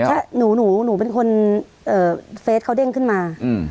เนี้ยค่ะหนูหนูหนูเป็นคนเอ่อเฟซเขาเด้งขึ้นมาอืม